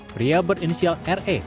pria berinisial re